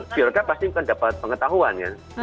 pejabat pasti dapat pengetahuan kan